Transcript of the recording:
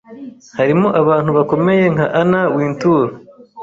harimo abantu bakomeye nka Anna Wintour